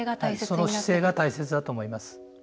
その姿勢が大切だと思います。